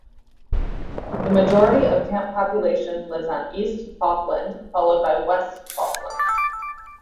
The majority of the Camp population lives on East Falkland, followed by West Falkland.